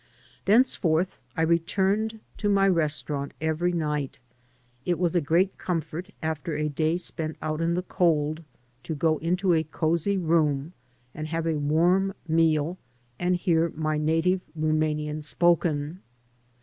Thenceforth I retxuned to my restaurant every night. It was a great comfort, after a day spent out in the cold, to go into a cozy room, and have a warm meal, and hear my native Rumanian spoken.